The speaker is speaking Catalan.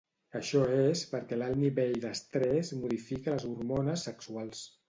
Això és perquè l'alt nivell d'estrès modifica les hormones sexuals.